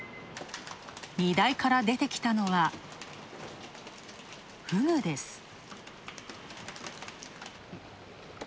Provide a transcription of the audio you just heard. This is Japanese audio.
荷台から出てきたのは、ふぐです。